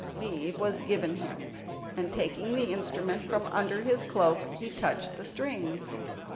Leave was given him, and taking the instrument from under his cloak he touched the strings.